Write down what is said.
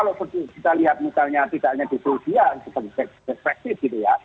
karena kalau kita lihat misalnya tidak hanya di swedia itu sebagai perspektif gitu ya